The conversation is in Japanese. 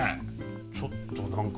ちょっと何か。